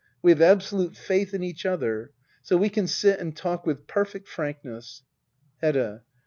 We have absolute faith in each other ; so we can sit and talk with perfect frankness Hedda.